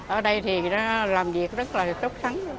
ở đây thì làm việc rất là tốt thắng